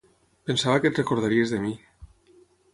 Pensava que et recordaries de mi.